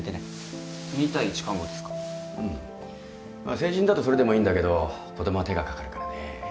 成人だとそれでもいいんだけど子供は手がかかるからね。